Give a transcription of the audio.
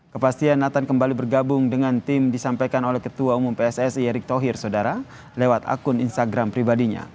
kepastian nathan kembali bergabung dengan tim disampaikan oleh ketua umum pssi erick thohir sodara lewat akun instagram pribadinya